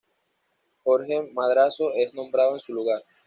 Jorge Madrazo es nombrado en su lugar.